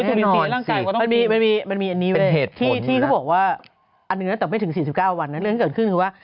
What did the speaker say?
แน่นอนสิมันมีอันนี้เลยที่เขาบอกว่าอันหนึ่งต่อไม่ถึง๔๙วันนะเรื่องที่เกิดขึ้นคือว่า